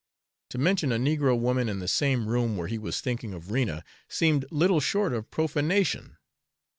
To mention a negro woman in the same room where he was thinking of Rena seemed little short of profanation.